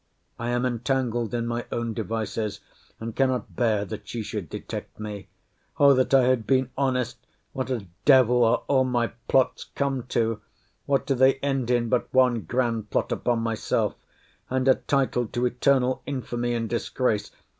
I am entangled in my own devices, and cannot bear that she should detect me. O that I had been honest!—What a devil are all my plots come to! What do they end in, but one grand plot upon myself, and a title to eternal infamy and disgrace!